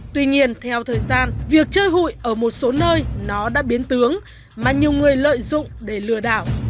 tuy nhiên theo thời gian việc chơi hụi ở một số nơi nó đã biến tướng mà nhiều người lợi dụng để lừa đảo